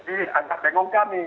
jadi antar bengong kami